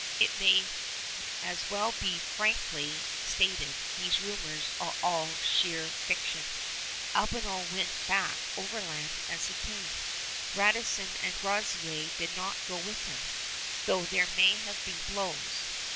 It may as well be frankly stated these rumors are all sheer fiction. Albanel went back overland as he came. Radisson and Groseillers did not go with him, though there may have been blows.